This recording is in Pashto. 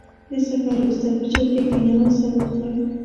• د سفر وروسته، په چوکۍ کښېنه او سا واخله.